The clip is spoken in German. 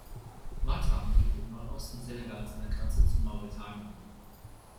Matam liegt im Nordosten Senegals an der Grenze zu Mauretanien.